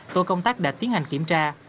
tổ công tác đã tiến hành kiểm tra